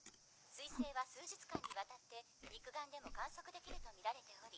彗星は数日間にわたって肉眼でも観測できるとみられており。